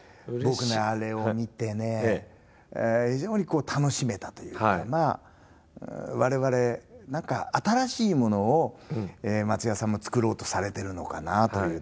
僕ねあれを見てね非常に楽しめたというかな我々何か新しいものを松也さんも作ろうとされてるのかなという点でね